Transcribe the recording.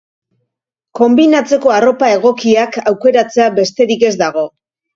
Konbinatzeko arropa egokiak aukeratzea besterik ez dago.